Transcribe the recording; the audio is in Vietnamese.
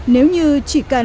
nếu như chỉ cần